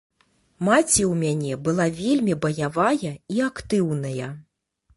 Маці ў мяне была вельмі баявая і актыўная.